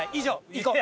行こう！